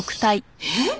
えっ！？